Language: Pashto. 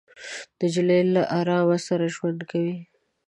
نجلۍ له ارام سره ژوند کوي.